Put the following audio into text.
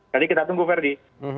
jadi kita tunggu verdi